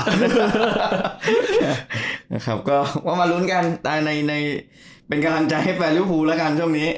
นะครับก็มาลุ้นกันในเป็นกำลังใจให้แฟนริวภูแล้วกันช่วงนี้